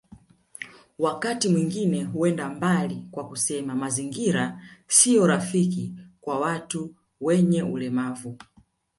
Wakati mwingine huenda mbali kwa kusema mazingira sio rafiki kwa watu wenye ulemavu